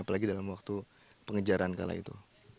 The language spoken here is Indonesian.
apalagi dalam waktu pengejaran kala itu